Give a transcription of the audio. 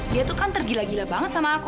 dia tuh kan tergila gila banget sama aku